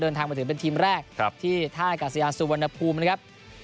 เดินทางมาถึงเป็นทีมแรกที่ท่ากาศยานสุวรรณภูมินะครับ